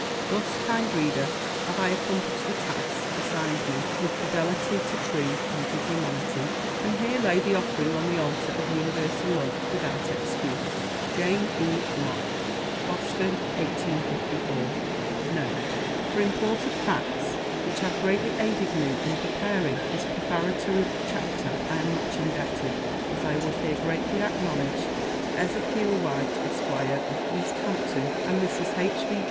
Thus, kind reader, have I accomplished the task assigned me with fidelity to truth and to humanity, and here lay the offering on the altar of universal love without excuse. JANE E. LOCKE. BOSTON, 1854. NOTE. For important facts which have greatly aided me in preparing this prefatory chapter I am much indebted, as I would here gratefully acknowledge, to Ezekiel White, Esq., of Easthampton, and Mrs. H.V.